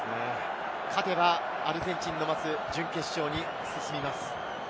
勝てばアルゼンチンの待つ準決勝に進みます。